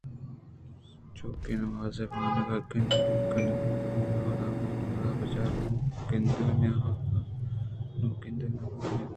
چوکہ نماز ءِ وانگ ( کنگ) خدا ءَ منّ(خدا ءَ بچار) نوک گندگ ءَ نیاآہگءَ اِنت ( نوک گندگ نہ بوئگءَ اِنت)